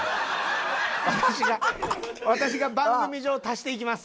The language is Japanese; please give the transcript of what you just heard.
私が私が番組上足していきます。